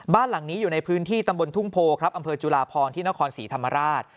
บ้านหลังนี้อยู่ในพื้นที่ตำบลทุ่งโพครับอำเภอจุลาพรที่นครศรีธรรมราช